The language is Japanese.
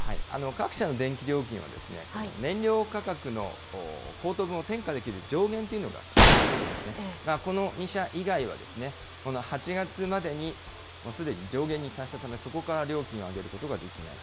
各社の電気料金は、燃料価格の高騰分を転嫁できる上限というのが決まっていてですね、この２社以外は、この８月までに、もうすでに上限に達したため、そこから料金を上げることができない。